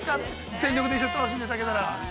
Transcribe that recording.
全力で楽しんでいただけたら。